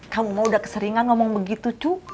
kamu mah udah keseringan ngomong begitu cuk